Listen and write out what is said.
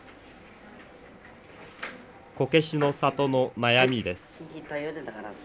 こけしの里の悩みです。